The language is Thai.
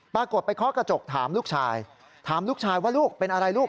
ปรากฏไปเคาะกระจกถามลูกชายถามลูกชายว่าลูกเป็นอะไรลูก